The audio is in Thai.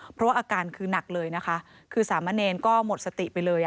เพราะว่าอาการคือหนักเลยนะคะคือสามะเนรก็หมดสติไปเลย